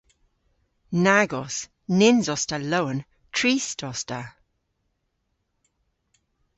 Nag os. Nyns os ta lowen, trist os ta.